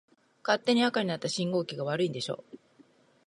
勝手に赤になった信号機が悪いんでしょ。